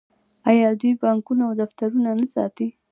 آیا دوی بانکونه او دفترونه نه ساتي؟